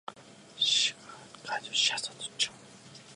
北海道斜里町